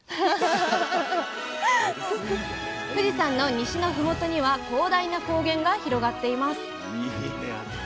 富士山の西の麓には広大な高原が広がっています